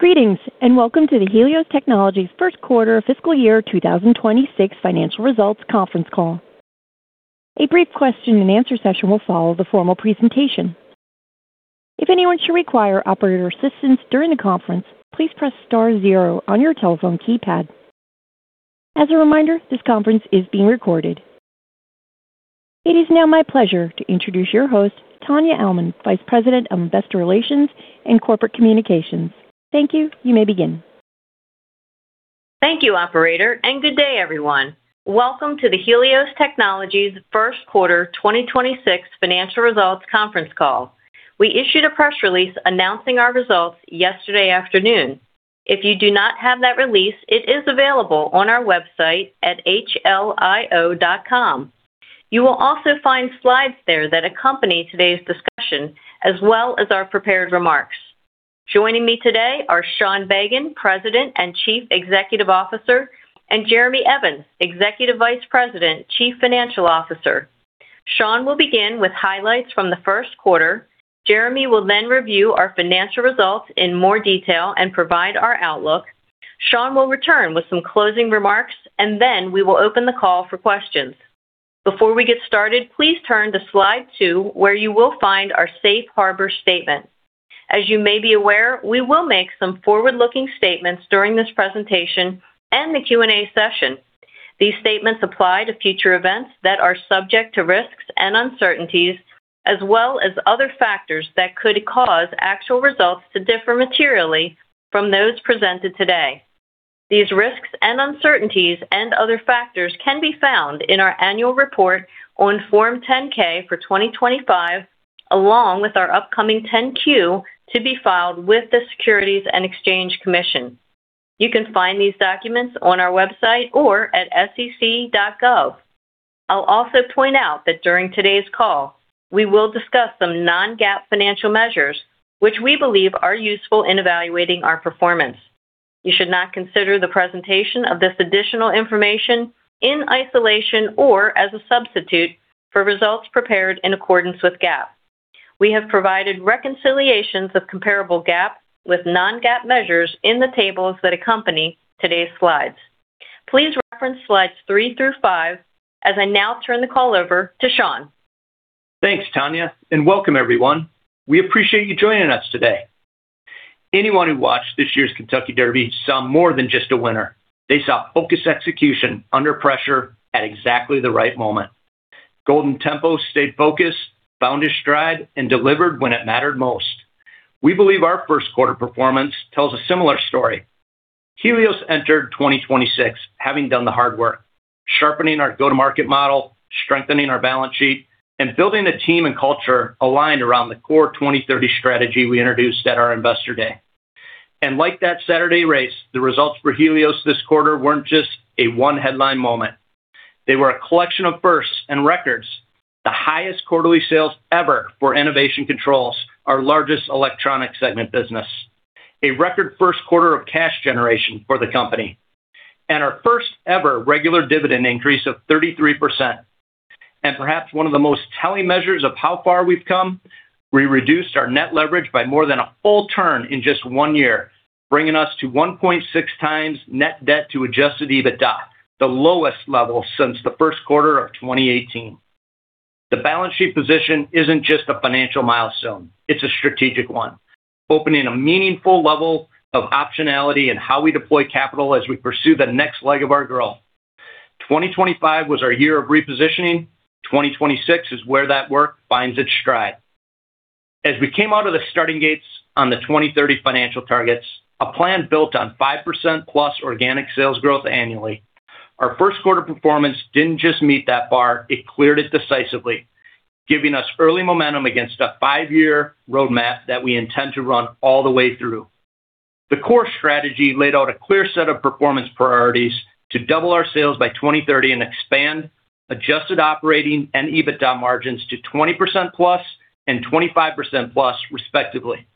Greetings, and welcome to the Helios Technologies First Quarter Fiscal Year 2026 Financial Results Conference Call. A brief question and answer session will follow the formal presentation. If anyone should require operator assistance during the conference, please press star zero on your telephone keypad. As a reminder, this conference is being recorded. It is now my pleasure to introduce your host, Tania Almond, Vice President of Investor Relations and Corporate Communications. Thank you. You may begin. Thank you, operator. Good day, everyone. Welcome to the Helios Technologies First Quarter 2026 Financial Results Conference Call. We issued a press release announcing our results yesterday afternoon. If you do not have that release, it is available on our website at hlio.com. You will also find slides there that accompany today's discussion as well as our prepared remarks. Joining me today are Sean Bagan, President and Chief Executive Officer, and Jeremy Evans, Executive Vice President, Chief Financial Officer. Sean will begin with highlights from the first quarter. Jeremy will then review our financial results in more detail and provide our outlook. Sean will return with some closing remarks, and then we will open the call for questions. Before we get started, please turn to slide two, where you will find our safe harbor statement. As you may be aware, we will make some forward-looking statements during this presentation and the Q&A session. These statements apply to future events that are subject to risks and uncertainties, as well as other factors that could cause actual results to differ materially from those presented today. These risks and uncertainties and other factors can be found in our annual report on Form 10-K for 2025, along with our upcoming 10-Q to be filed with the Securities and Exchange Commission. You can find these documents on our website or at sec.gov. I'll also point out that during today's call, we will discuss some non-GAAP financial measures which we believe are useful in evaluating our performance. You should not consider the presentation of this additional information in isolation or as a substitute for results prepared in accordance with GAAP. We have provided reconciliations of comparable GAAP with non-GAAP measures in the tables that accompany today's slides. Please reference slides three through five as I now turn the call over to Sean. Thanks, Tania, welcome everyone. We appreciate you joining us today. Anyone who watched this year's Kentucky Derby saw more than just a winner. They saw focused execution under pressure at exactly the right moment. Golden Tempo stayed focused, found his stride, and delivered when it mattered most. We believe our first quarter performance tells a similar story. Helios entered 2026 having done the hard work, sharpening our go-to-market model, strengthening our balance sheet, and building a team and culture aligned around the CORE 2030 strategy we introduced at our Investor Day. Like that Saturday race, the results for Helios this quarter weren't just a one-headline moment. They were a collection of firsts and records. The highest quarterly sales ever for Enovation Controls, our largest electronic segment business. A record first quarter of cash generation for the company. Our first ever regular dividend increase of 33%. Perhaps one of the most telling measures of how far we've come, we reduced our net leverage by more than a full turn in just one year, bringing us to 1.6x net debt to adjusted EBITDA, the lowest level since the first quarter of 2018. The balance sheet position isn't just a financial milestone, it's a strategic one, opening a meaningful level of optionality in how we deploy capital as we pursue the next leg of our growth. 2025 was our year of repositioning. 2026 is where that work finds its stride. As we came out of the starting gates on the 2030 financial targets, a plan built on 5%+ organic sales growth annually, our first quarter performance didn't just meet that bar, it cleared it decisively, giving us early momentum against a five-year roadmap that we intend to run all the way through. The core strategy laid out a clear set of performance priorities to double our sales by 2030 and expand adjusted operating and EBITDA margins to 20%+ and 25%+, respectively.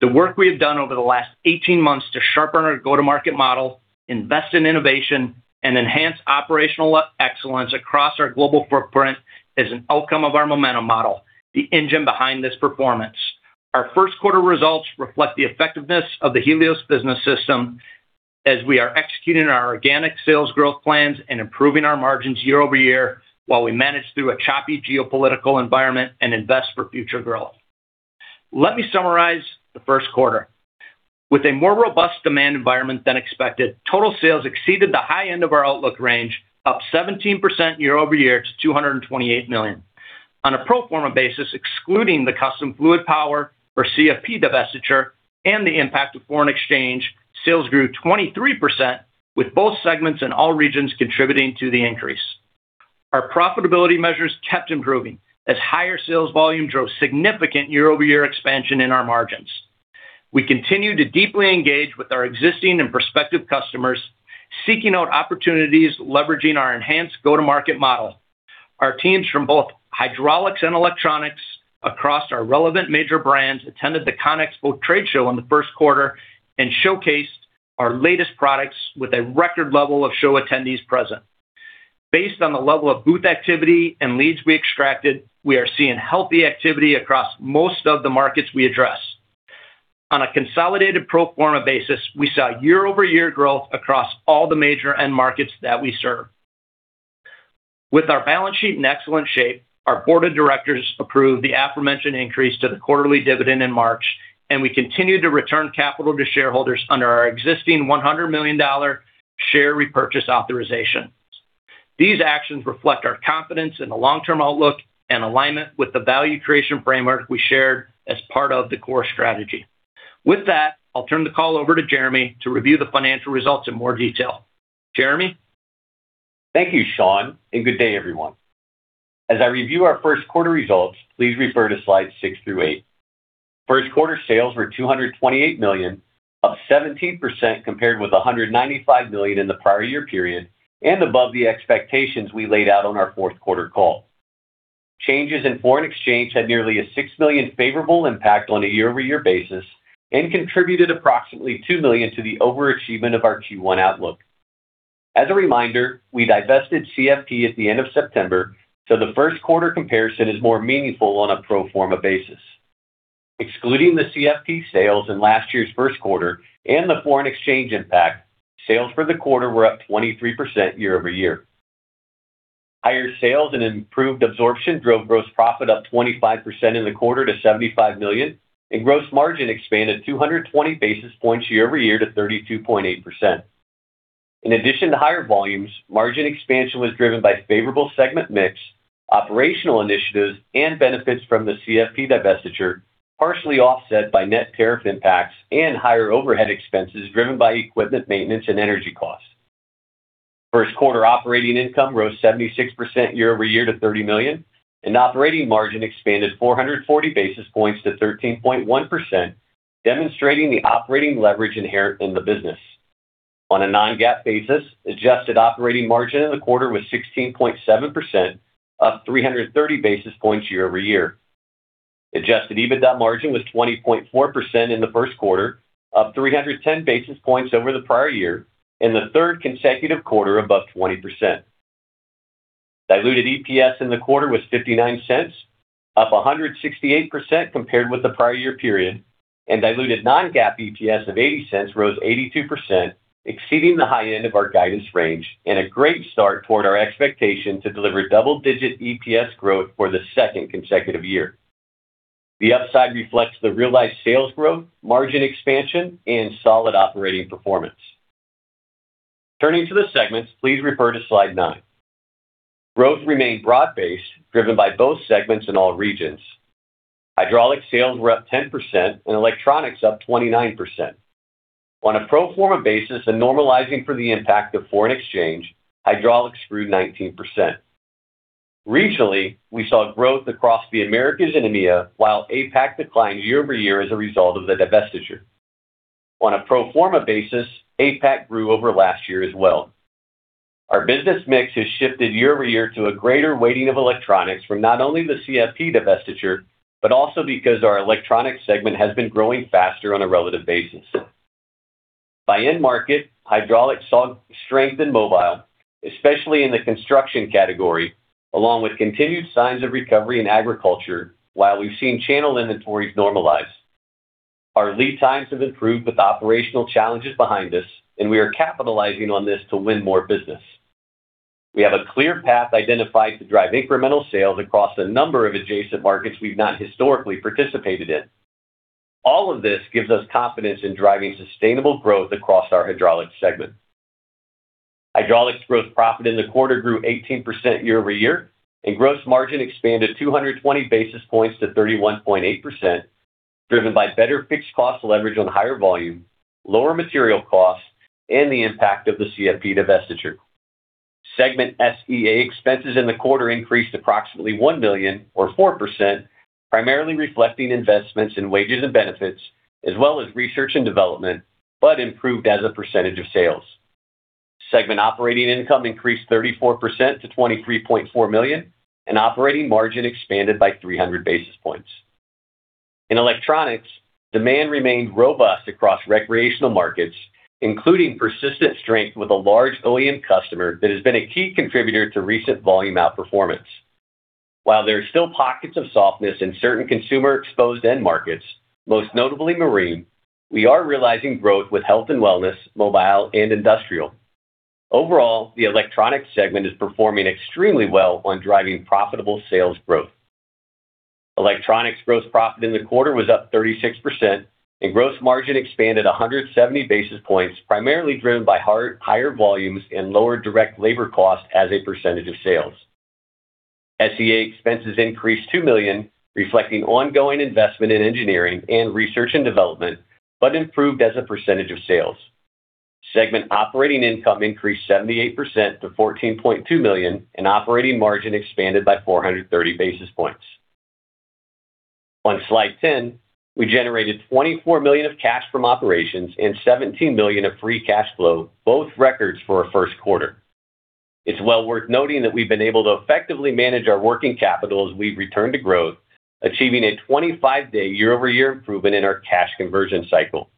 The work we have done over the last 18 months to sharpen our go-to-market model, invest in innovation, and enhance operational excellence across our global footprint is an outcome of our momentum model, the engine behind this performance. Our first quarter results reflect the effectiveness of the Helios Business System as we are executing our organic sales growth plans and improving our margins year-over-year while we manage through a choppy geopolitical environment and invest for future growth. Let me summarize the first quarter. With a more robust demand environment than expected, total sales exceeded the high end of our outlook range, up 17% year-over-year to $228 million. On a pro forma basis, excluding the Custom Fluidpower or CFP divestiture and the impact of foreign exchange, sales grew 23%, with both segments in all regions contributing to the increase. Our profitability measures kept improving as higher sales volume drove significant year-over-year expansion in our margins. We continue to deeply engage with our existing and prospective customers, seeking out opportunities, leveraging our enhanced go-to-market model. Our teams from both hydraulics and electronics across our relevant major brands attended the CONEXPO trade show in the first quarter and showcased our latest products with a record level of show attendees present. Based on the level of booth activity and leads we extracted, we are seeing healthy activity across most of the markets we address. On a consolidated pro forma basis, we saw year-over-year growth across all the major end markets that we serve. With our balance sheet in excellent shape, our board of directors approved the aforementioned increase to the quarterly dividend in March, and we continue to return capital to shareholders under our existing $100 million share repurchase authorization. These actions reflect our confidence in the long-term outlook and alignment with the value creation framework we shared as part of the core strategy. With that, I'll turn the call over to Jeremy to review the financial results in more detail. Jeremy? Thank you, Sean, and good day, everyone. As I review our first quarter results, please refer to slides six through through. First quarter sales were $228 million, up 17% compared with $195 million in the prior year period and above the expectations we laid out on our fourth quarter call. Changes in foreign exchange had nearly a $6 million favorable impact on a year-over-year basis and contributed approximately $2 million to the over-achievement of our Q1 outlook. As a reminder, we divested CFP at the end of September, so the first quarter comparison is more meaningful on a pro forma basis. Excluding the CFP sales in last year's first quarter and the foreign exchange impact, sales for the quarter were up 23% year-over-year. Higher sales and improved absorption drove gross profit up 25% in the quarter to $75 million, and gross margin expanded 220 basis points year-over-year to 32.8%. In addition to higher volumes, margin expansion was driven by favorable segment mix, operational initiatives, and benefits from the CFP divestiture, partially offset by net tariff impacts and higher overhead expenses driven by equipment maintenance and energy costs. First quarter operating income rose 76% year-over-year to $30 million, and operating margin expanded 440 basis points to 13.1%, demonstrating the operating leverage inherent in the business. On a non-GAAP basis, adjusted operating margin in the quarter was 16.7%, up 330 basis points year-over-year. Adjusted EBITDA margin was 20.4% in the first quarter, up 310 basis points over the prior year and the third consecutive quarter above 20%. Diluted EPS in the quarter was $0.59, up 168% compared with the prior year period. Diluted non-GAAP EPS of $0.80 rose 82%, exceeding the high end of our guidance range and a great start toward our expectation to deliver double-digit EPS growth for the second consecutive year. The upside reflects the realized sales growth, margin expansion, and solid operating performance. Turning to the segments, please refer to slide nine. Growth remained broad-based, driven by both segments in all regions. Hydraulics sales were up 10% and Electronics up 29%. On a pro forma basis and normalizing for the impact of foreign exchange, Hydraulics grew 19%. Regionally, we saw growth across the Americas and EMEA, while APAC declined year-over-year as a result of the divestiture. On a pro forma basis, APAC grew over last year as well. Our business mix has shifted year-over-year to a greater weighting of electronics from not only the CFP divestiture, but also because our electronics segment has been growing faster on a relative basis. By end market, hydraulics saw strength in mobile, especially in the construction category, along with continued signs of recovery in agriculture, while we've seen channel inventories normalize. Our lead times have improved with operational challenges behind us, and we are capitalizing on this to win more business. We have a clear path identified to drive incremental sales across a number of adjacent markets we've not historically participated in. All of this gives us confidence in driving sustainable growth across our hydraulics segment. Hydraulics gross profit in the quarter grew 18% year-over-year, and gross margin expanded 220 basis points to 31.8%, driven by better fixed cost leverage on higher volume, lower material costs, and the impact of the CFP divestiture. Segment SG&A expenses in the quarter increased approximately $1 million or 4%, primarily reflecting investments in wages and benefits, as well as research and development, but improved as a percentage of sales. Segment operating income increased 34% to $23.4 million, and operating margin expanded by 300 basis points. In electronics, demand remained robust across recreational markets, including persistent strength with a large OEM customer that has been a key contributor to recent volume outperformance. While there are still pockets of softness in certain consumer-exposed end markets, most notably marine, we are realizing growth with health and wellness, mobile, and industrial. Overall, the electronics segment is performing extremely well on driving profitable sales growth. Electronics gross profit in the quarter was up 36%, and gross margin expanded 170 basis points, primarily driven by higher volumes and lower direct labor costs as a percentage of sales. SG&A expenses increased $2 million, reflecting ongoing investment in engineering and research and development, but improved as a percentage of sales. Segment operating income increased 78% to $14.2 million, and operating margin expanded by 430 basis points. On slide 10, we generated $24 million of cash from operations and $17 million of free cash flow, both records for a first quarter. It's well worth noting that we've been able to effectively manage our working capital as we've returned to growth, achieving a 25-day year-over-year improvement in our cash conversion cycle.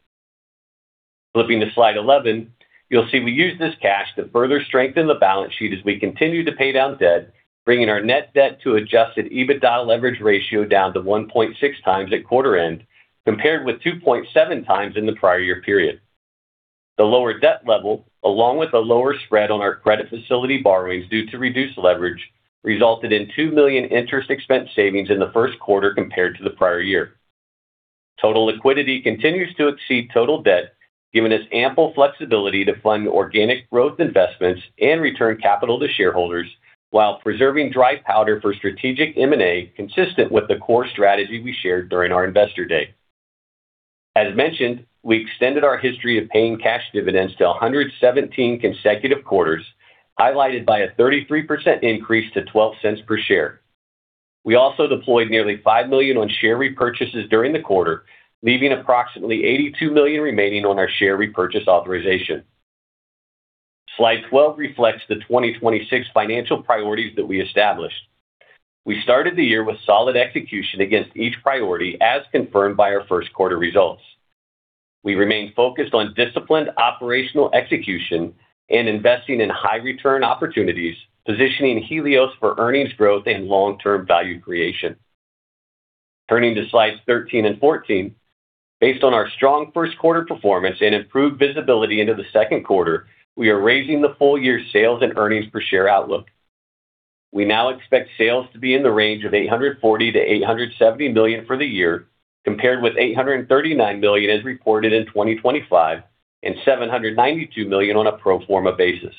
Flipping to slide 11, you'll see we use this cash to further strengthen the balance sheet as we continue to pay down debt, bringing our net debt to adjusted EBITDA leverage ratio down to 1.6x at quarter end, compared with 2.7x in the prior year period. The lower debt level, along with a lower spread on our credit facility borrowings due to reduced leverage, resulted in $2 million interest expense savings in the first quarter compared to the prior year. Total liquidity continues to exceed total debt, giving us ample flexibility to fund organic growth investments and return capital to shareholders while preserving dry powder for strategic M&A consistent with the core strategy we shared during our Investor Day. As mentioned, we extended our history of paying cash dividends to 117 consecutive quarters, highlighted by a 33% increase to $0.12 per share. We also deployed nearly $5 million on share repurchases during the quarter, leaving approximately $82 million remaining on our share repurchase authorization. Slide 12 reflects the 2026 financial priorities that we established. We started the year with solid execution against each priority, as confirmed by our first quarter results. We remain focused on disciplined operational execution and investing in high return opportunities, positioning Helios for earnings growth and long-term value creation. Turning to slides 13 and 14. Based on our strong first quarter performance and improved visibility into the second quarter, we are raising the full-year sales and earnings per share outlook. We now expect sales to be in the range of $840 million-$870 million for the year, compared with $839 million as reported in 2025 and $792 million on a pro forma basis.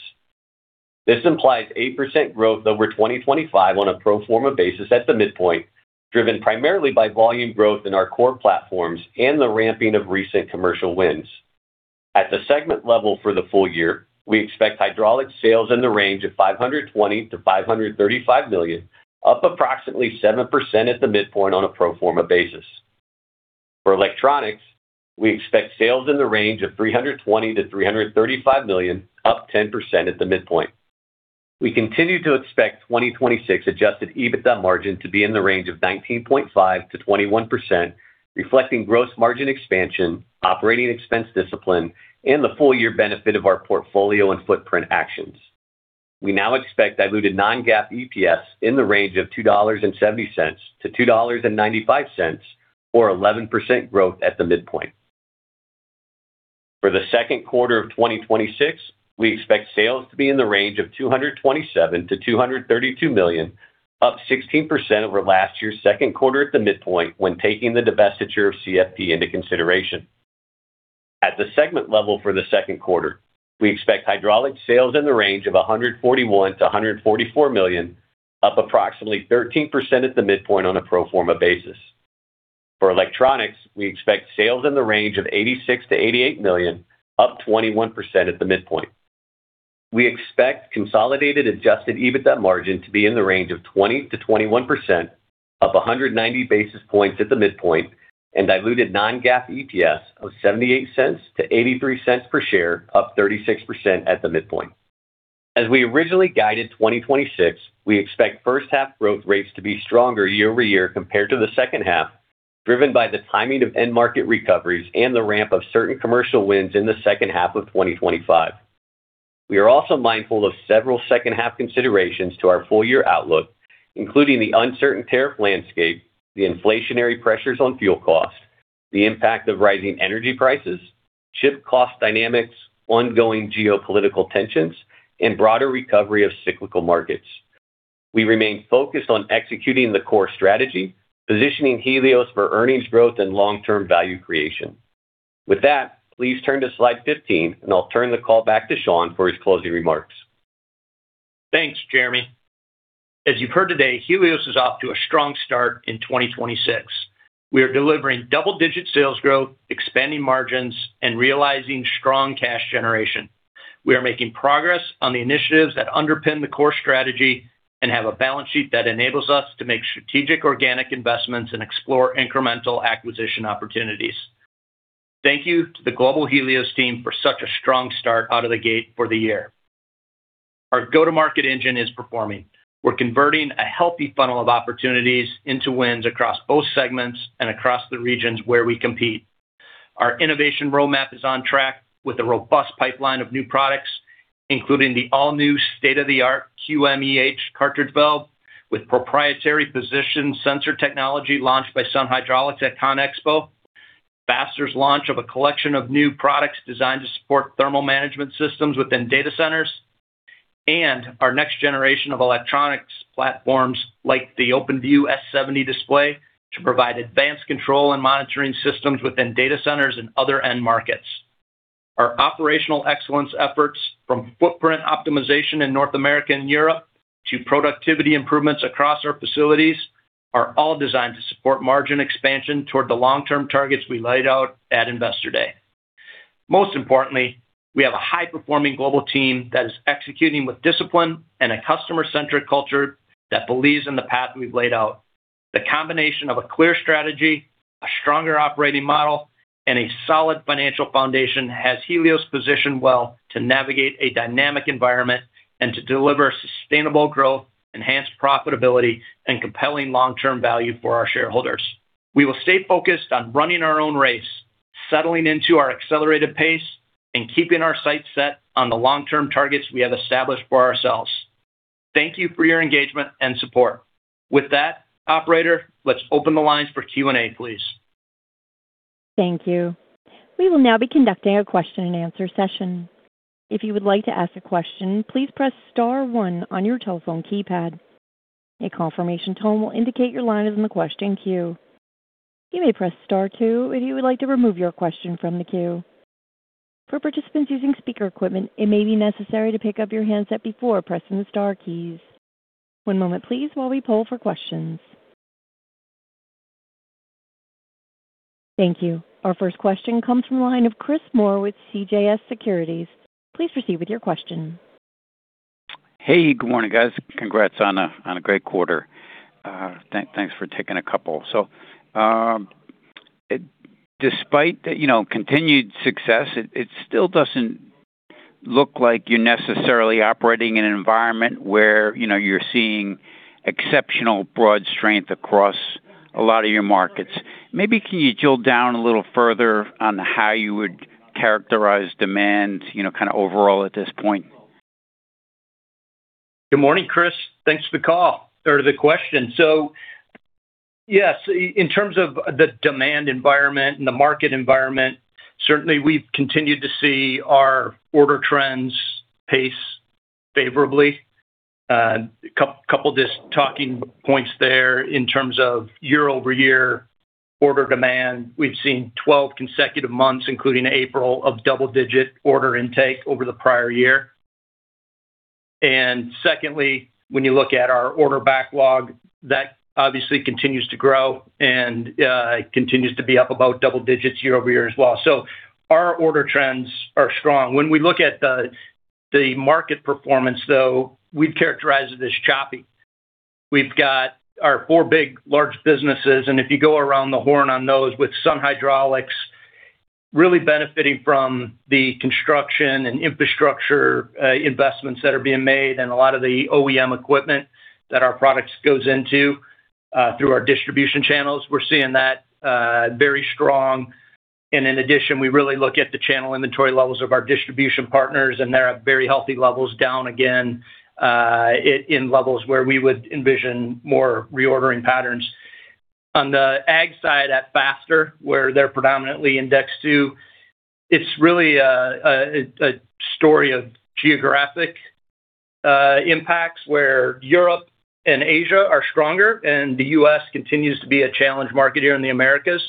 This implies 8% growth over 2025 on a pro forma basis at the midpoint, driven primarily by volume growth in our core platforms and the ramping of recent commercial wins. At the segment level for the full-year, we expect hydraulics sales in the range of $520 million-$535 million, up approximately 7% at the midpoint on a pro forma basis. For electronics, we expect sales in the range of $320 million-$335 million, up 10% at the midpoint. We continue to expect 2026 adjusted EBITDA margin to be in the range of 19.5%-21%, reflecting gross margin expansion, operating expense discipline, and the full-year benefit of our portfolio and footprint actions. We now expect diluted non-GAAP EPS in the range of $2.70-$2.95, or 11% growth at the midpoint. For the second quarter of 2026, we expect sales to be in the range of $227 million-$232 million, up 16% over last year's second quarter at the midpoint when taking the divestiture of CFP into consideration. At the segment level for the second quarter, we expect hydraulics sales in the range of $141 million-$144 million, up approximately 13% at the midpoint on a pro forma basis. For electronics, we expect sales in the range of $86 million-$88 million, up 21% at the midpoint. We expect consolidated adjusted EBITDA margin to be in the range of 20%-21%, up 190 basis points at the midpoint, and diluted non-GAAP EPS of $0.78-$0.83 per share, up 36% at the midpoint. As we originally guided, 2026, we expect first half growth rates to be stronger year-over-year compared to the second half, driven by the timing of end market recoveries and the ramp of certain commercial wins in the second half of 2025. We are also mindful of several second half considerations to our full-year outlook, including the uncertain tariff landscape, the inflationary pressures on fuel costs, the impact of rising energy prices, ship cost dynamics, ongoing geopolitical tensions, and broader recovery of cyclical markets. We remain focused on executing the core strategy, positioning Helios for earnings growth and long-term value creation. With that, please turn to slide 15, and I'll turn the call back to Sean for his closing remarks. Thanks, Jeremy. As you've heard today, Helios is off to a strong start in 2026. We are delivering double-digit sales growth, expanding margins, and realizing strong cash generation. We are making progress on the initiatives that underpin the core strategy and have a balance sheet that enables us to make strategic organic investments and explore incremental acquisition opportunities. Thank you to the global Helios team for such a strong start out of the gate for the year. Our go-to-market engine is performing. We're converting a healthy funnel of opportunities into wins across both segments and across the regions where we compete. Our Enovation roadmap is on track with a robust pipeline of new products, including the all-new state-of-the-art QMEH cartridge valve with proprietary position sensor technology launched by Sun Hydraulics at CONEXPO, Faster's launch of a collection of new products designed to support thermal management systems within data centers, and our next generation of electronics platforms like the OpenView S70 display to provide advanced control and monitoring systems within data centers and other end markets. Our operational excellence efforts, from footprint optimization in North America and Europe to productivity improvements across our facilities, are all designed to support margin expansion toward the long-term targets we laid out at Investor Day. Most importantly, we have a high-performing global team that is executing with discipline and a customer-centric culture that believes in the path we've laid out. The combination of a clear strategy, a stronger operating model, and a solid financial foundation has Helios positioned well to navigate a dynamic environment and to deliver sustainable growth, enhanced profitability, and compelling long-term value for our shareholders. We will stay focused on running our own race, settling into our accelerated pace, and keeping our sights set on the long-term targets we have established for ourselves. Thank you for your engagement and support. With that, operator, let's open the lines for Q&A, please. Thank you. We will now be conducting a question-and-answer session. If you would like to ask a question, please press star one on your telephone keypad. A confirmation tone will indicate your line is in the question queue. You may press star two if you would like to remove your question from the queue. For participants using speaker equipment, it may be necessary to pick up your handset before pressing the star keys. One moment, please, while we poll for questions. Thank you. Our first question comes from the line of Chris Moore with CJS Securities. Please proceed with your question. Hey, good morning, guys. Congrats on a great quarter. Thanks for taking a couple. Despite the, you know, continued success, it still doesn't look like you're necessarily operating in an environment where, you know, you're seeing exceptional broad strength across a lot of your markets. Maybe can you drill down a little further on how you would characterize demand, you know, kind of overall at this point? Good morning, Chris. Thanks for the call or the question. Yes, in terms of the demand environment and the market environment, certainly we've continued to see our order trends pace favorably. A couple just talking points there in terms of year-over-year order demand. We've seen 12 consecutive months, including April, of double-digit order intake over the prior year. Secondly, when you look at our order backlog, that obviously continues to grow and continues to be up about double digits year-over-year as well. Our order trends are strong. When we look at the market performance, though, we'd characterize it as choppy. We've got our four big large businesses, and if you go around the horn on those with Sun Hydraulics really benefiting from the construction and infrastructure investments that are being made and a lot of the OEM equipment that our products goes into through our distribution channels. We're seeing that very strong. In addition, we really look at the channel inventory levels of our distribution partners, and they're at very healthy levels down again in levels where we would envision more reordering patterns. On the ag side at Faster, where they're predominantly indexed to, it's really a story of geographic impacts where Europe and Asia are stronger and the U.S. continues to be a challenge market here in the Americas.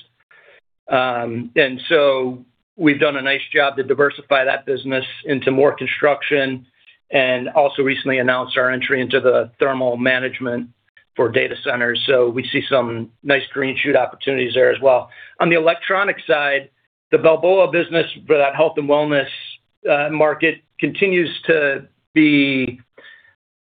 We've done a nice job to diversify that business into more construction and also recently announced our entry into the thermal management for data centers. We see some nice green shoot opportunities there as well. On the electronic side, the Balboa business for that health and wellness market continues to be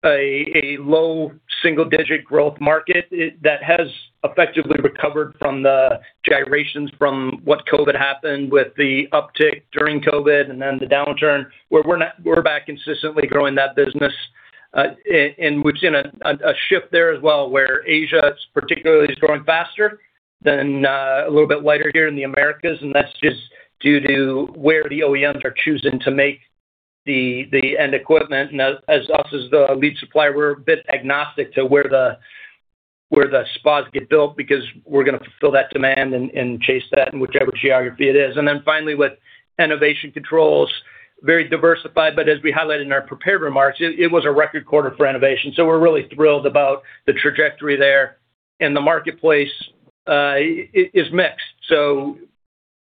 a low single-digit growth market, that has effectively recovered from the gyrations from what COVID happened with the uptick during COVID and then the downturn, where we're back consistently growing that business. We've seen a shift there as well, where Asia particularly is growing faster than a little bit lighter here in the Americas. That's just due to where the OEMs are choosing to make the end equipment. As us as the lead supplier, we're a bit agnostic to where the spas get built because we're gonna fulfill that demand and chase that in whichever geography it is. Then finally with Enovation Controls, very diversified, but as we highlighted in our prepared remarks, it was a record quarter for Enovation. We're really thrilled about the trajectory there. The marketplace is mixed.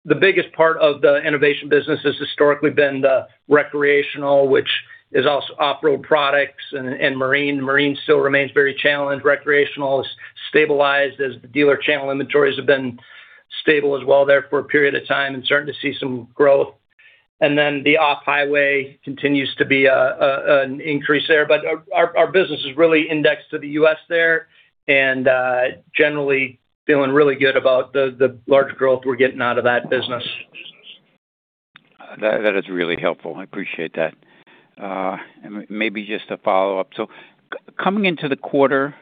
The biggest part of the Enovation business has historically been the recreational, which is also off-road products and marine. Marine still remains very challenged. Recreational is stabilized as the dealer channel inventories have been stable as well there for a period of time and starting to see some growth. Then the off-highway continues to be an increase there. Our business is really indexed to the U.S. there and generally feeling really good about the large growth we're getting out of that business. That is really helpful. I appreciate that. Maybe just a follow-up. Coming into the quarter,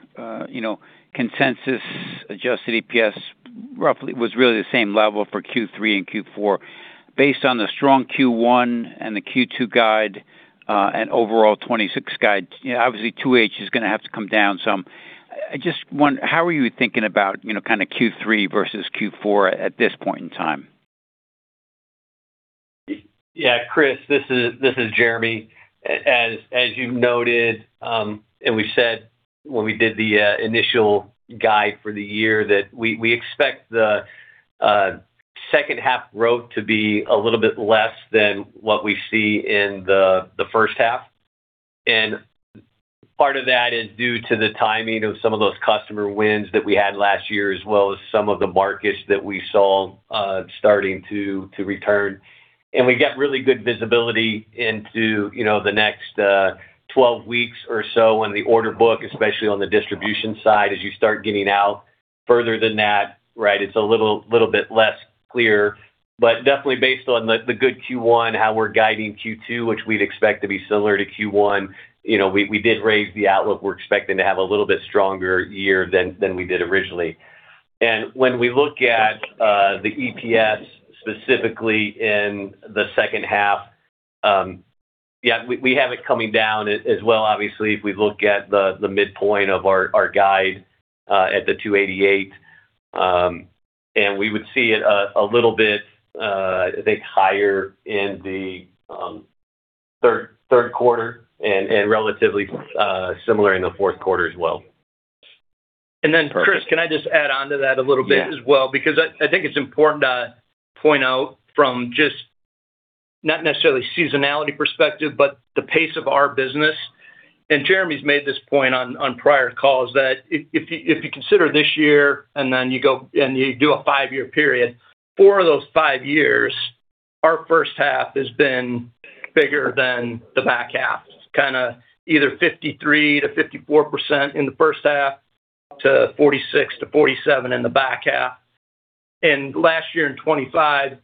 you know, consensus adjusted EPS roughly was really the same level for Q3 and Q4. Based on the strong Q1 and the Q2 guide, overall 2026 guide, you know, obviously 2H is gonna have to come down some. I just wonder how are you thinking about, you know, kind of Q3 versus Q4 at this point in time? Chris, this is Jeremy. As you noted, we said when we did the initial guide for the year that we expect the second half growth to be a little bit less than what we see in the first half. Part of that is due to the timing of some of those customer wins that we had last year, as well as some of the markets that we saw starting to return. We got really good visibility into, you know, the next 12 weeks or so in the order book, especially on the distribution side as you start getting. Further than that, right, it's a little bit less clear. Definitely based on the good Q1, how we're guiding Q2, which we'd expect to be similar to Q1. You know, we did raise the outlook. We're expecting to have a little bit stronger year than we did originally. And when we look at the EPS specifically in the second half, yeah, we have it coming down as well. Obviously, if we look at the midpoint of our guide at $2.88, and we would see it a little bit, I think higher in the third quarter and relatively similar in the fourth quarter as well. Chris, can I just add on to that a little bit as well? Yeah. I think it's important to point out from just not necessarily seasonality perspective, but the pace of our business. Jeremy's made this point on prior calls that if you consider this year and then you go and you do a five-year period, four of those five years, our first half has been bigger than the back half. Kinda either 53%-54% in the first half to 46%-47% in the back half. Last year in 2025,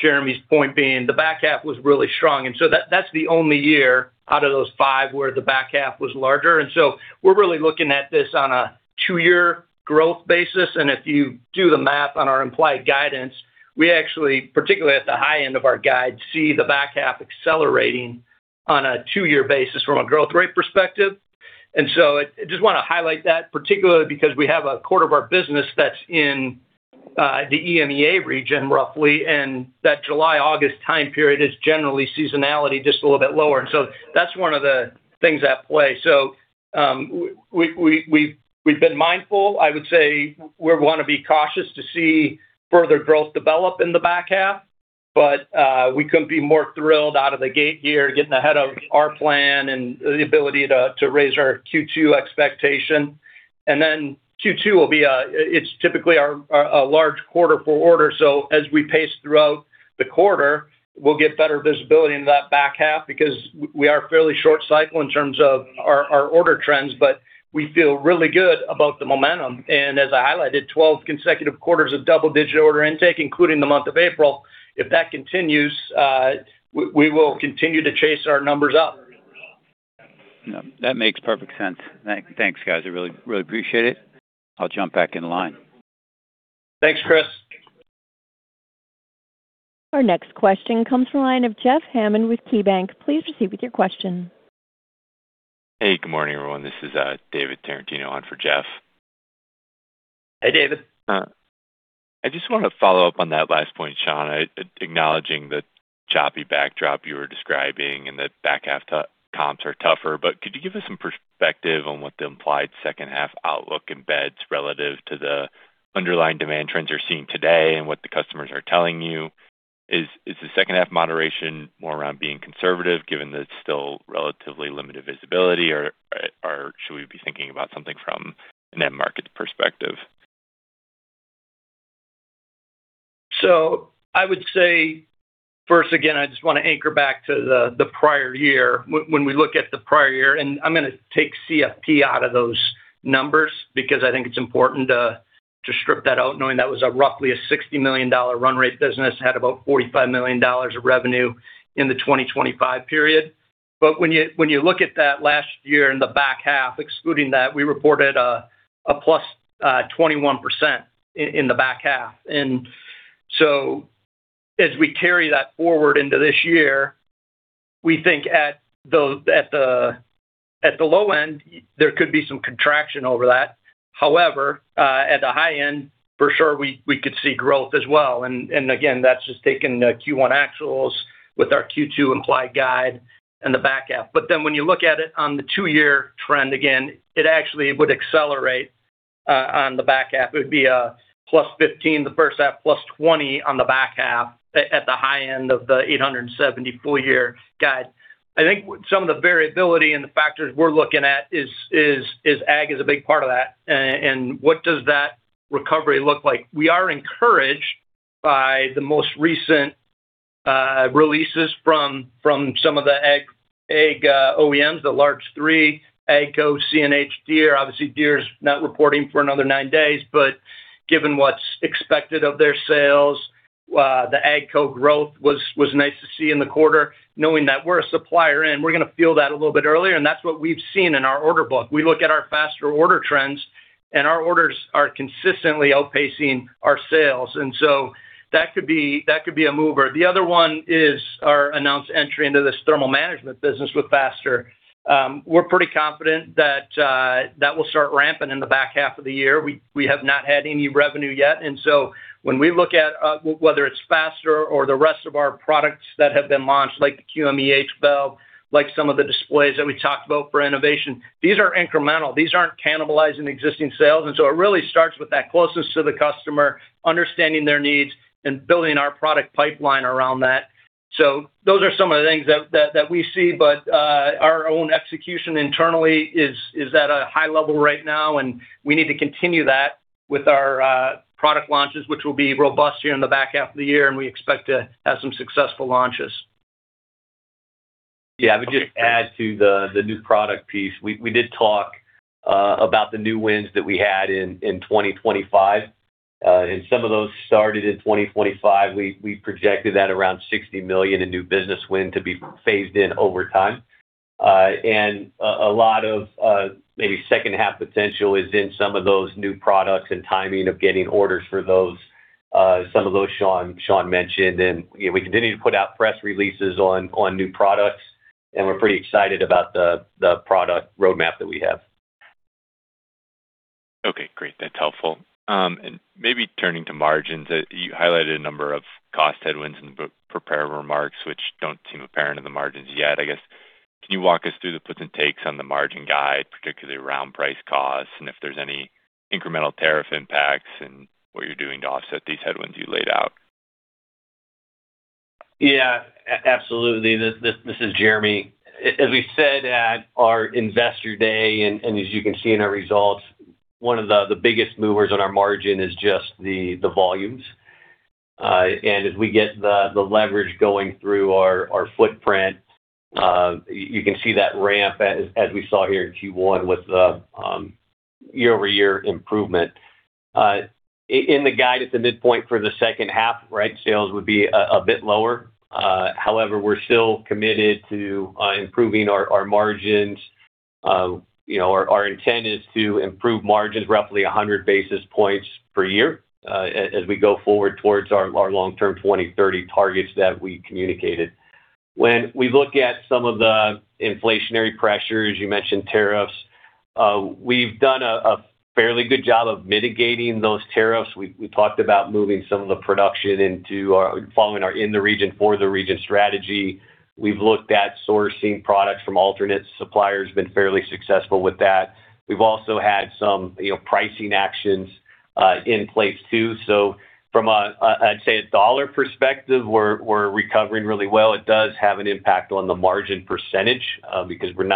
Jeremy's point being the back half was really strong. That's the only year out of those five where the back half was larger. We're really looking at this on a two-year growth basis. If you do the math on our implied guidance, we actually, particularly at the high end of our guide, see the back half accelerating on a two-year basis from a growth rate perspective. I just wanna highlight that particularly because we have a quarter of our business that's in the EMEA region roughly, and that July-August time period is generally seasonality just a little bit lower. That's one of the things at play. We've been mindful. I would say we wanna be cautious to see further growth develop in the back half, we couldn't be more thrilled out of the gate here, getting ahead of our plan and the ability to raise our Q2 expectation. Q2 will be, it's typically a large quarter for orders. As we pace throughout the quarter, we'll get better visibility into that back half because we are fairly short cycle in terms of our order trends, but we feel really good about the momentum. And as I highlighted, 12 consecutive quarters of double-digit order intake, including the month of April. If that continues, we will continue to chase our numbers up. No, that makes perfect sense. Thanks, guys. I really appreciate it. I'll jump back in line. Thanks, Chris. Our next question comes from the line of Jeffrey Hammond with KeyBanc Capital Markets. Please proceed with your question. Hey, good morning, everyone. This is David Tarantino on for Jeff. Hey, David. I just wanna follow up on that last point, Sean, acknowledging the choppy backdrop you were describing and that back half comps are tougher. Could you give us some perspective on what the implied second half outlook embeds relative to the underlying demand trends you're seeing today and what the customers are telling you? Is the second half moderation more around being conservative given that it's still relatively limited visibility, or should we be thinking about something from an end market perspective? I would say, first again, I just want to anchor back to the prior year. When we look at the prior year, and I'm going to take CFP out of those numbers because I think it's important to strip that out knowing that was a roughly a $60 million run rate business, had about $45 million of revenue in the 2025 period. When you look at that last year in the back half, excluding that, we reported a +21% in the back half. As we carry that forward into this year, we think at the low end, there could be some contraction over that. However, at the high end, for sure, we could see growth as well. Again, that's just taking the Q1 actuals with our Q2 implied guide and the back half. When you look at it on the two-year trend, again, it actually would accelerate on the back half. It would be a +15% the first half, +20% on the back half at the high end of the $870 million full-year guide. I think some of the variability and the factors we're looking at is ag is a big part of that. What does that recovery look like? We are encouraged by the most recent releases from some of the ag OEMs, the large three, AGCO, CNH, Deere. Obviously, Deere's not reporting for another nine days. Given what's expected of their sales, the AGCO growth was nice to see in the quarter, knowing that we're a supplier and we're gonna feel that a little bit earlier, and that's what we've seen in our order book. We look at our Faster order trends, our orders are consistently outpacing our sales. That could be a mover. The other one is our announced entry into this thermal management business with Faster. We're pretty confident that will start ramping in the back half of the year. We have not had any revenue yet. So when we look at whether it's Faster or the rest of our products that have been launched, like the QMEH valve, like some of the displays that we talked about for Enovation, these are incremental. These aren't cannibalizing existing sales. It really starts with that closeness to the customer, understanding their needs, and building our product pipeline around that. Those are some of the things that we see. Our own execution internally is at a high level right now, and we need to continue that with our product launches, which will be robust here in the back half of the year, and we expect to have some successful launches. Yeah, I would just add to the new product piece. We did talk about the new wins that we had in 2025. Some of those started in 2025. We projected that around $60 million in new business win to be phased in over time. A lot of maybe second half potential is in some of those new products and timing of getting orders for those, some of those Sean mentioned. You know, we continue to put out press releases on new products, and we're pretty excited about the product roadmap that we have. Okay, great. That's helpful. Maybe turning to margins, you highlighted a number of cost headwinds in the prepared remarks, which don't seem apparent in the margins yet. Can you walk us through the puts and takes on the margin guide, particularly around price costs, and if there's any incremental tariff impacts and what you're doing to offset these headwinds you laid out? Absolutely. This is Jeremy. As we said at our Investor Day and as you can see in our results, one of the biggest movers on our margin is just the volumes. As we get the leverage going through our footprint, you can see that ramp as we saw here in Q1 with the year-over-year improvement. In the guide at the midpoint for the second half, sales would be a bit lower. However, we're still committed to improving our margins. You know, our intent is to improve margins roughly 100 basis points per year as we go forward towards our long-term 2030 targets that we communicated. When we look at some of the inflationary pressures, you mentioned tariffs, we've done a fairly good job of mitigating those tariffs. We talked about moving some of the production following our in the region for the region strategy. We've looked at sourcing products from alternate suppliers, been fairly successful with that. We've also had some, you know, pricing actions in place too. From a I'd say a dollar perspective, we're recovering really well. It does have an impact on the margin percentage because we're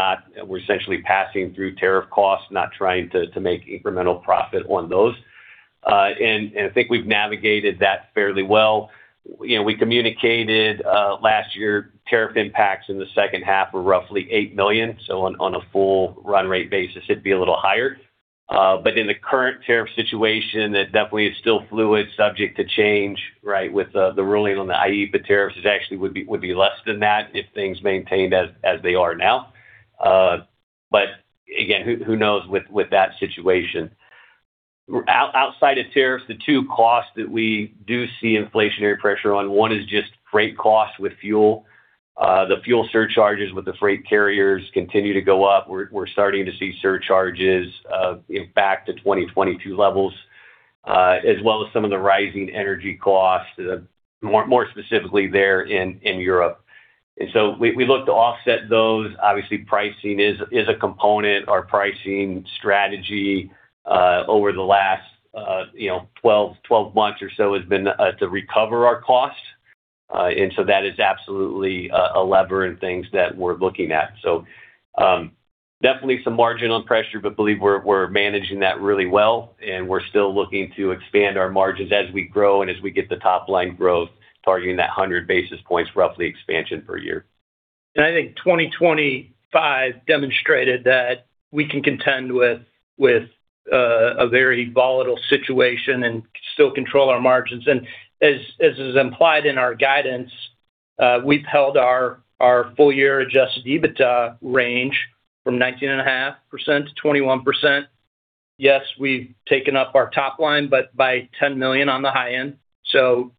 essentially passing through tariff costs, not trying to make incremental profit on those. I think we've navigated that fairly well. You know, we communicated last year tariff impacts in the second half were roughly $8 million, on a full run rate basis, it'd be a little higher. In the current tariff situation, it definitely is still fluid, subject to change, right? With the ruling on the IEEPA tariffs, it actually would be less than that if things maintained as they are now. Again, who knows with that situation? Outside of tariffs, the two costs that we do see inflationary pressure on, one is just freight costs with fuel. The fuel surcharges with the freight carriers continue to go up. We're starting to see surcharges impact to 2022 levels, as well as some of the rising energy costs, more specifically there in Europe. We look to offset those. Obviously, pricing is a component. Our pricing strategy, over the last, you know, 12 months or so has been to recover our costs. That is absolutely a lever in things that we're looking at. Definitely some marginal pressure, but believe we're managing that really well, and we're still looking to expand our margins as we grow and as we get the top line growth, targeting that 100 basis points roughly expansion per year. I think 2025 demonstrated that we can contend with a very volatile situation and still control our margins. As is implied in our guidance, we've held our full-year adjusted EBITDA range from 19.5%-21%. Yes, we've taken up our top line by $10 million on the high end.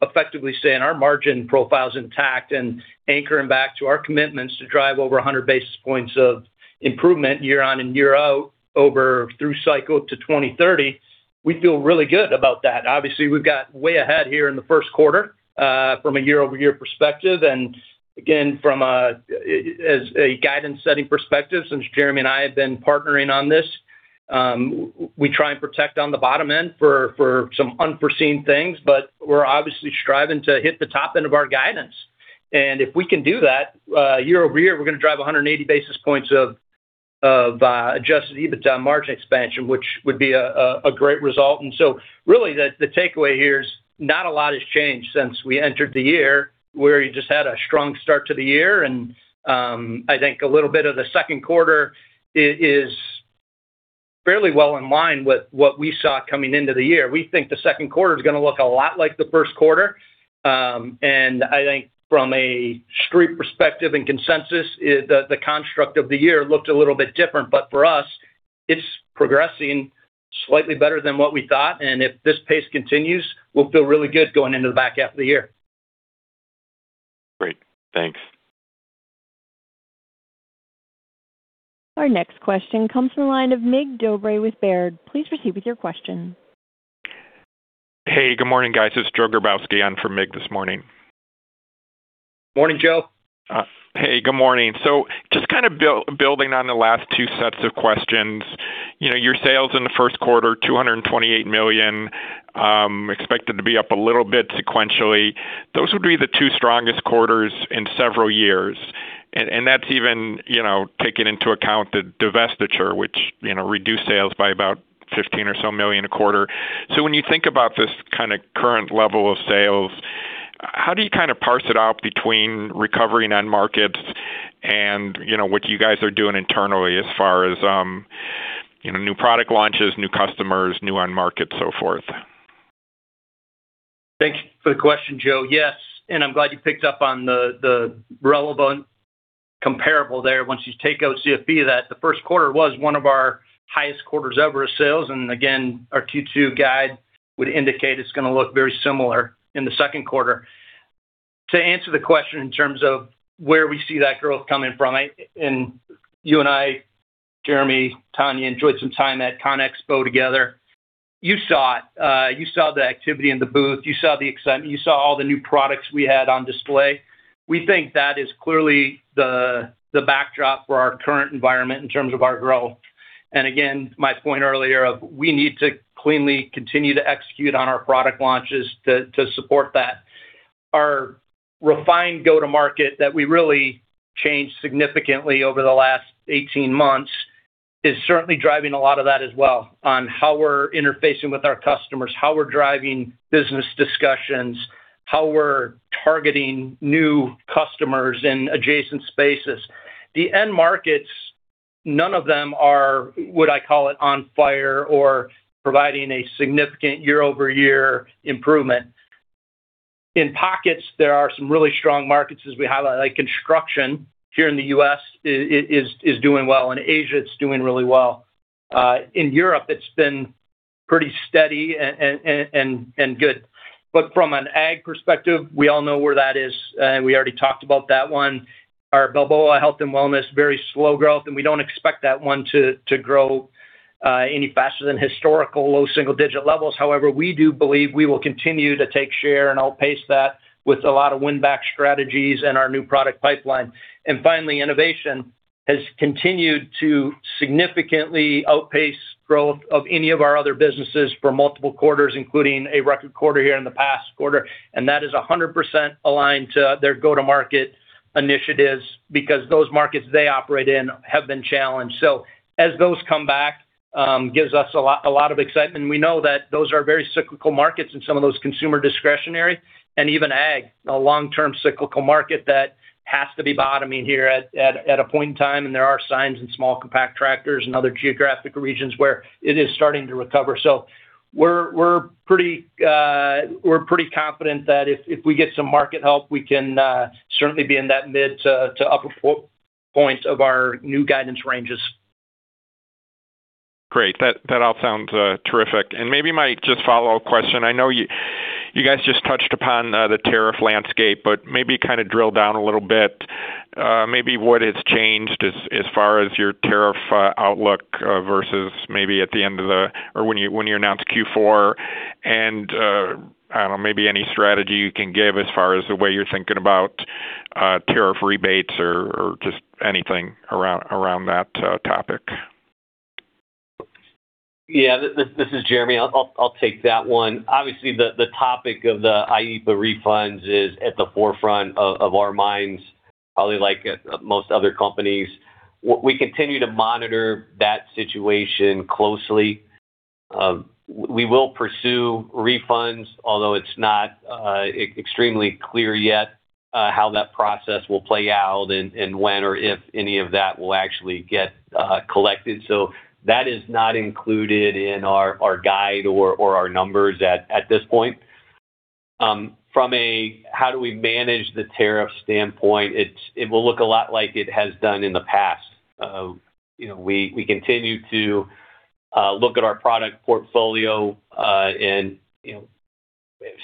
Effectively staying our margin profile's intact and anchoring back to our commitments to drive over 100 basis points of improvement year on and year out over through cycle to 2030. We feel really good about that. Obviously, we've got way ahead here in the first quarter from a year-over-year perspective. Again, from a guidance setting perspective, since Jeremy and I have been partnering on this, we try and protect on the bottom end for some unforeseen things. We're obviously striving to hit the top end of our guidance. If we can do that, year-over-year, we're gonna drive 180 basis points of adjusted EBITDA margin expansion, which would be a great result. Really the takeaway here is not a lot has changed since we entered the year. We just had a strong start to the year and I think a little bit of the second quarter is fairly well in line with what we saw coming into the year. We think the second quarter is gonna look a lot like the first quarter. I think from a street perspective and consensus, the construct of the year looked a little bit different, but for us, it's progressing slightly better than what we thought. If this pace continues, we'll feel really good going into the back half of the year. Great. Thanks. Our next question comes from the line of Mircea Dobre with Baird. Please proceed with your question. Hey, good morning, guys. It's Joe Grabowski on for Mig this morning. Morning, Joe. Hey, good morning. just kind of building on the last two sets of questions. You know, your sales in the first quarter, $228 million, expected to be up a little bit sequentially. Those would be the two strongest quarters in several years. that's even, you know, taking into account the divestiture, which, you know, reduced sales by about $15 or so million a quarter. When you think about this kind of current level of sales, how do you kind of parse it out between recovery in end markets and, you know, what you guys are doing internally as far as, you know, new product launches, new customers, new end markets, so forth? Thanks for the question, Joe. Yes, I'm glad you picked up on the relevant comparable there. Once you take out CFP, that the first quarter was one of our highest quarters ever of sales. Again, our Q2 guide would indicate it's gonna look very similar in the second quarter. To answer the question in terms of where we see that growth coming from, you and I, Jeremy, Tania, enjoyed some time at CONEXPO together. You saw it. You saw the activity in the booth. You saw all the new products we had on display. We think that is clearly the backdrop for our current environment in terms of our growth. Again, my point earlier of we need to cleanly continue to execute on our product launches to support that. Our refined go-to-market that we really changed significantly over the last 18 months is certainly driving a lot of that as well on how we're interfacing with our customers, how we're driving business discussions, how we're targeting new customers in adjacent spaces. The end markets, none of them are, what I call it, on fire or providing a significant year-over-year improvement. In pockets, there are some really strong markets as we highlight. Like construction here in the U.S. is doing well. In Asia, it's doing really well. In Europe, it's been pretty steady and good. From an ag perspective, we all know where that is, and we already talked about that one. Our Balboa health and wellness, very slow growth, and we don't expect that one to grow any faster than historical low single-digit levels. However, we do believe we will continue to take share and outpace that with a lot of win-back strategies and our new product pipeline. Finally, Enovation has continued to significantly outpace growth of any of our other businesses for multiple quarters, including a record quarter here in the past quarter. That is 100% aligned to their go-to-market initiatives because those markets they operate in have been challenged. As those come back, gives us a lot of excitement. We know that those are very cyclical markets and some of those consumer discretionary. Even ag, a long-term cyclical market that has to be bottoming here at a point in time. There are signs in small compact tractors and other geographic regions where it is starting to recover. We're pretty confident that if we get some market help, we can certainly be in that mid to upper points of our new guidance ranges. Great. That all sounds terrific. Maybe my just follow-up question. I know you guys just touched upon the tariff landscape, but maybe kinda drill down a little bit. Maybe what has changed as far as your tariff outlook versus maybe at the end of the or when you announced Q4. I don't know, maybe any strategy you can give as far as the way you're thinking about tariff rebates or just anything around that topic. This is Jeremy. I'll take that one. Obviously, the topic of the IEEPA refunds is at the forefront of our minds, probably like most other companies. We will pursue refunds, although it's not extremely clear yet how that process will play out and when or if any of that will actually get collected. That is not included in our guide or our numbers at this point. From a how do we manage the tariff standpoint, it will look a lot like it has done in the past. You know, we continue to look at our product portfolio and, you know,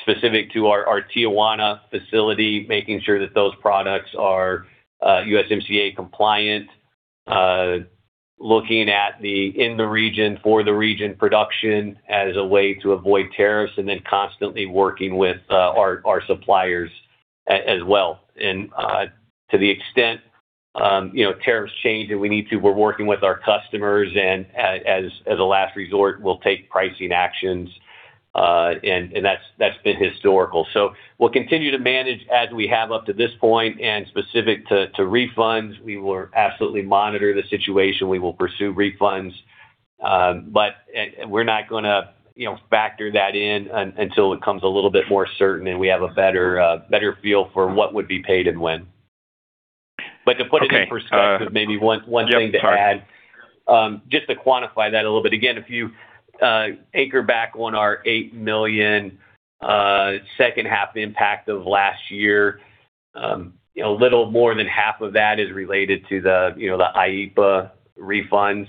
specific to our Tijuana facility, making sure that those products are USMCA compliant. Looking at the in the region, for the region production as a way to avoid tariffs, then constantly working with our suppliers as well. To the extent, you know, tariffs change and we need to, we're working with our customers, and as a last resort, we'll take pricing actions. And that's been historical. We'll continue to manage as we have up to this point. Specific to refunds, we will absolutely monitor the situation. We will pursue refunds. We're not gonna, you know, factor that in until it becomes a little bit more certain and we have a better feel for what would be paid and when. Okay, uh- To put it into perspective, maybe one thing to add. Yep. Sorry. Just to quantify that a little bit, again, if you anchor back on our $8 million second half impact of last year, you know, little more than half of that is related to the, you know, the IEEPA refunds.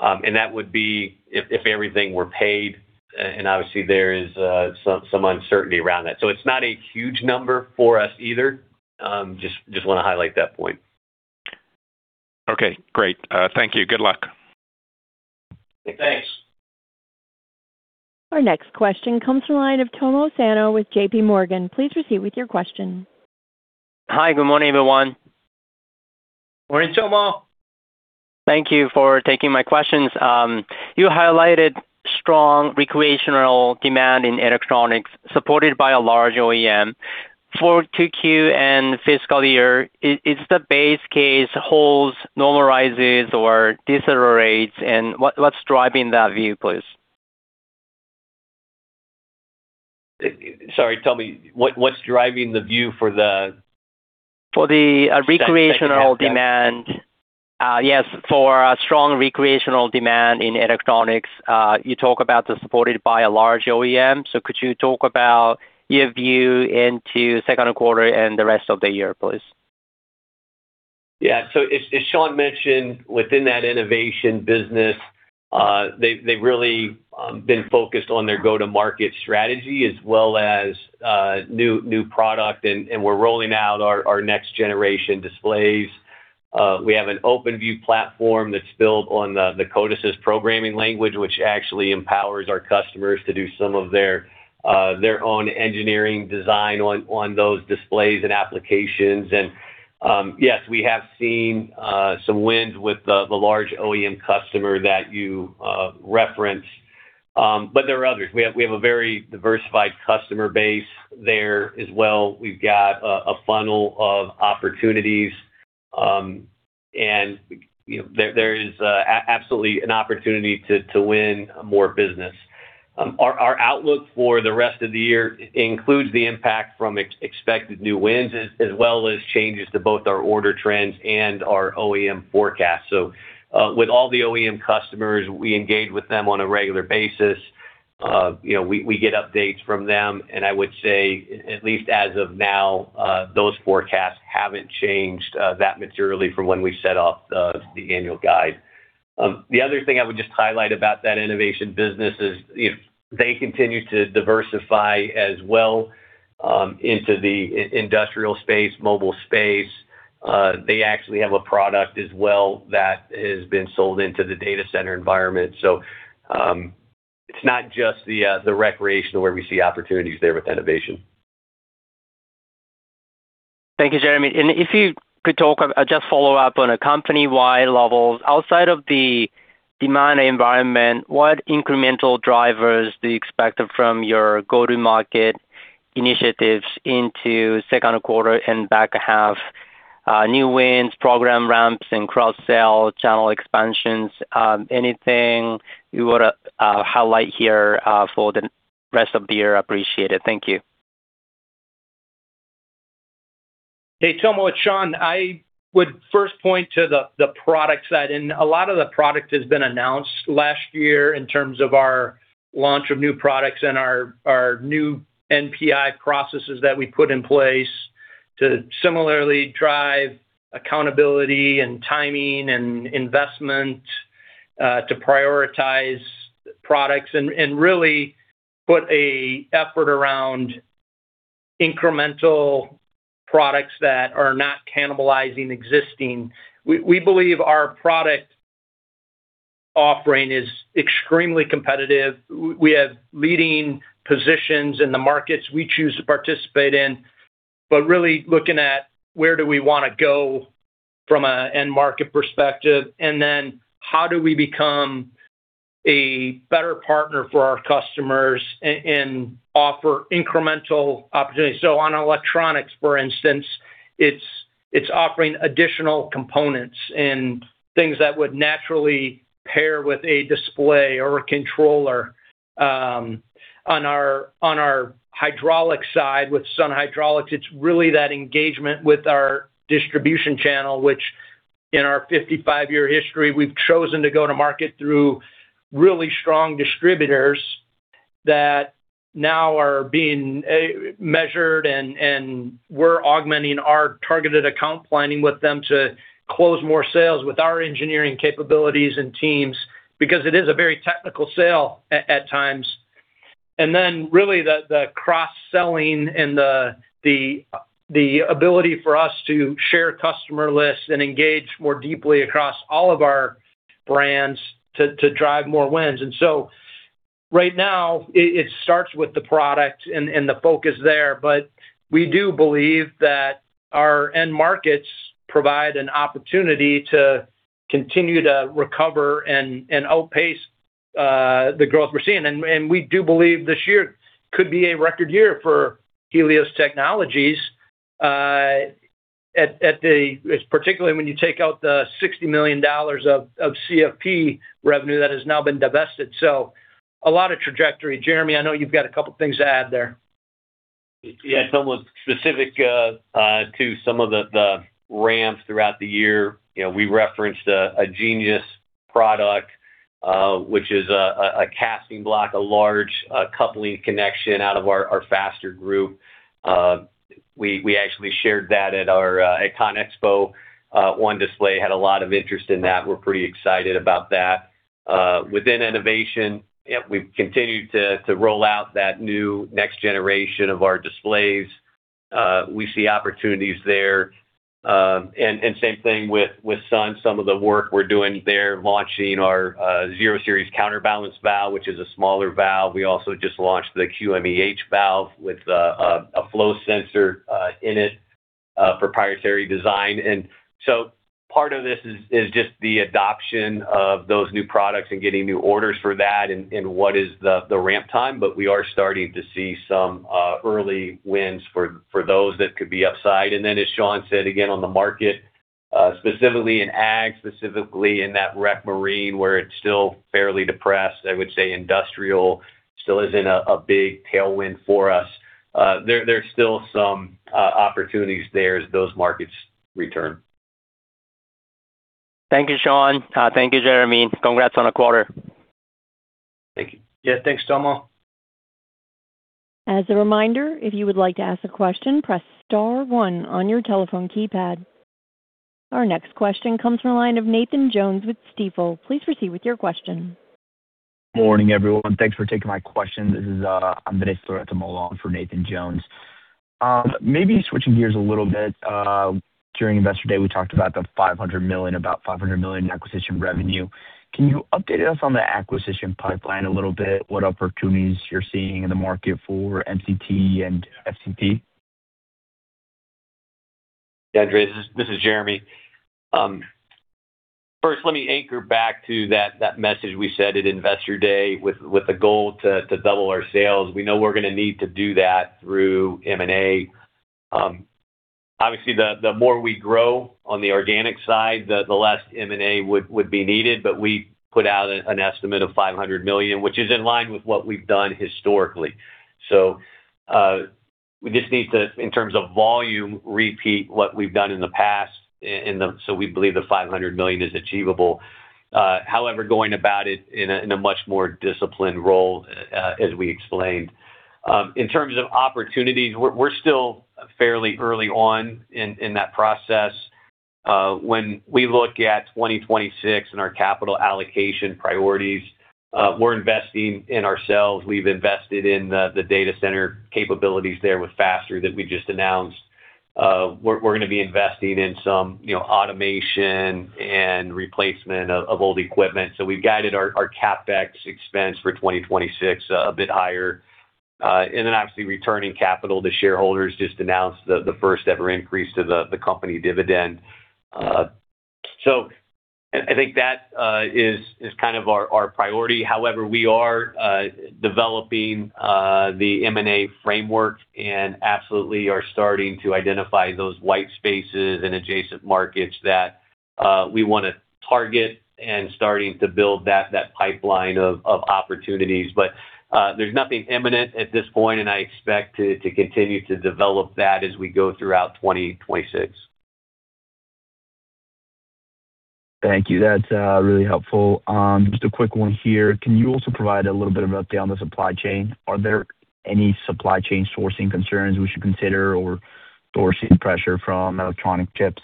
That would be if everything were paid. Obviously there is some uncertainty around that. It's not a huge number for us either. Just wanna highlight that point. Okay, great. Thank you. Good luck. Thanks. Our next question comes from the line of Tomo Sano with JPMorgan. Please proceed with your question. Hi, good morning, everyone. Morning, Tomo. Thank you for taking my questions. You highlighted strong recreational demand in electronics supported by a large OEM. For 2Q and fiscal year, is the base case holds, normalizes, or decelerates, and what's driving that view, please? Sorry, tell me what's driving the view for? For the recreational demand. Second half, yeah. Yes, for a strong recreational demand in electronics. You talk about the supported by a large OEM. Could you talk about your view into second quarter and the rest of the year, please? Yeah. As Sean mentioned, within that Enovation business, they've really been focused on their go-to-market strategy as well as new product and we're rolling out our next generation displays. We have an OpenView platform that's built on the CODESYS programming language, which actually empowers our customers to do some of their own engineering design on those displays and applications. Yes, we have seen some wins with the large OEM customer that you referenced. There are others. We have a very diversified customer base there as well. We've got a funnel of opportunities, and, you know, there is absolutely an opportunity to win more business. Our outlook for the rest of the year includes the impact from expected new wins as well as changes to both our order trends and our OEM forecast. With all the OEM customers, we engage with them on a regular basis. You know, we get updates from them, and I would say at least as of now, those forecasts haven't changed that materially from when we set off the annual guide. The other thing I would just highlight about that Enovation business is if they continue to diversify as well into the industrial space, mobile space, they actually have a product as well that has been sold into the data center environment. It's not just the recreation where we see opportunities there with Enovation. Thank you, Jeremy, and if you could talk, just follow up on a company-wide levels. Outside of the demand environment, what incremental drivers do you expect from your go-to-market initiatives into second quarter and back half, new wins, program ramps, and cross-sell channel expansions? Anything you wanna highlight here for the rest of the year? Appreciate it. Thank you. Hey, Tomo, it's Sean. I would first point to the product side, a lot of the product has been announced last year in terms of our launch of new products and our new NPI processes that we put in place to similarly drive accountability and timing and investment, to prioritize products and really put a effort around incremental products that are not cannibalizing existing. We believe our product offering is extremely competitive. We have leading positions in the markets we choose to participate in. Really looking at where do we wanna go from a end market perspective, and then how do we become a better partner for our customers and offer incremental opportunities. On electronics, for instance, it's offering additional components and things that would naturally pair with a display or a controller. On our hydraulic side with Sun Hydraulics, it's really that engagement with our distribution channel, which in our 55-year history, we've chosen to go to market through really strong distributors that now are being measured and we're augmenting our targeted account planning with them to close more sales with our engineering capabilities and teams because it is a very technical sale at times. Really the cross-selling and the ability for us to share customer lists and engage more deeply across all of our brands to drive more wins. Right now it starts with the product and the focus there, but we do believe that our end markets provide an opportunity to continue to recover and outpace the growth we're seeing. We do believe this year could be a record year for Helios Technologies, Particularly when you take out the $60 million of CFP revenue that has now been divested. A lot of trajectory. Jeremy, I know you've got a couple things to add there. Yeah. Some was specific to some of the ramps throughout the year. You know, we referenced a genius product, which is a casting block, a large coupling connection out of our Faster group. We actually shared that at our CONEXPO. One display had a lot of interest in that. We're pretty excited about that. Within Enovation, we've continued to roll out that new next generation of our displays. We see opportunities there. Same thing with Sun. Some of the work we're doing there, launching our 0-Series counterbalance valve, which is a smaller valve. We also just launched the QMEH valve with a flow sensor in it. Proprietary design. Part of this is just the adoption of those new products and getting new orders for that and what is the ramp time. We are starting to see some early wins for those that could be upside. As Sean said, again, on the market, specifically in ag, specifically in that rec marine, where it's still fairly depressed. I would say industrial still isn't a big tailwind for us. There's still some opportunities there as those markets return. Thank you, Sean. Thank you, Jeremy. Congrats on the quarter. Thank you. Yeah. Thanks, Tomo. As a reminder, if you would like to ask a question, press star one on your telephone keypad. Our next question comes from the line of Nathan Jones with Stifel. Please proceed with your question. Morning, everyone. Thanks for taking my question. This is Andrés Loret de Mola for Nathan Jones. Maybe switching gears a little bit, during Investor Day, we talked about the $500 million, about $500 million acquisition revenue. Can you update us on the acquisition pipeline a little bit? What opportunities you're seeing in the market for MCT and FCT? Andrés, this is Jeremy. First, let me anchor back to that message we said at Investor Day with a goal to double our sales. We know we're gonna need to do that through M&A. Obviously the more we grow on the organic side, the less M&A would be needed. We put out an estimate of $500 million, which is in line with what we've done historically. We just need to, in terms of volume, repeat what we've done in the past so we believe the $500 million is achievable. However, going about it in a much more disciplined role, as we explained. In terms of opportunities, we're still fairly early on in that process. When we look at 2026 and our capital allocation priorities, we're investing in ourselves. We've invested in the data center capabilities there with Faster that we just announced. We're gonna be investing in some, you know, automation and replacement of old equipment. We've guided our CapEx expense for 2026 a bit higher. Then obviously returning capital to shareholders. Just announced the first ever increase to the company dividend. I think that is kind of our priority. However, we are developing the M&A framework and absolutely are starting to identify those white spaces and adjacent markets that we wanna target and starting to build that pipeline of opportunities. There's nothing imminent at this point, and I expect to continue to develop that as we go throughout 2026. Thank you. That's really helpful. Just a quick one here. Can you also provide a little bit of update on the supply chain? Are there any supply chain sourcing concerns we should consider or sourcing pressure from electronic chips?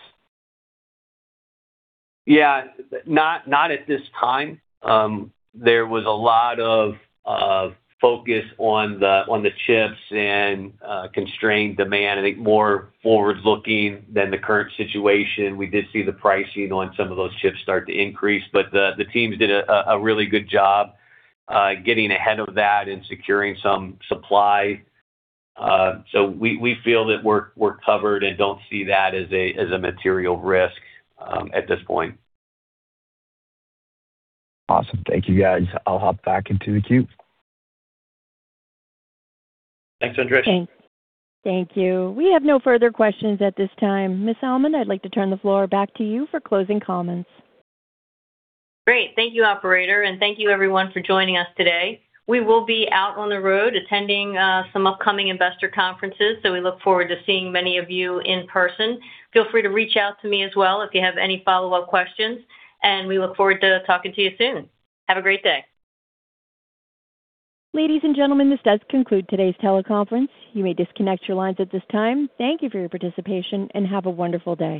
Not at this time. There was a lot of focus on the chips and constrained demand. I think more forward-looking than the current situation. We did see the pricing on some of those chips start to increase. The teams did a really good job getting ahead of that and securing some supply. We feel that we're covered and don't see that as a material risk at this point. Awesome. Thank you, guys. I'll hop back into the queue. Thanks, Andrés. Thank you. We have no further questions at this time. Ms. Almond, I'd like to turn the floor back to you for closing comments. Great. Thank you, operator. Thank you everyone for joining us today. We will be out on the road attending some upcoming investor conferences. We look forward to seeing many of you in person. Feel free to reach out to me as well if you have any follow-up questions. We look forward to talking to you soon. Have a great day. Ladies and gentlemen, this does conclude today's teleconference. You may disconnect your lines at this time. Thank you for your participation, and have a wonderful day.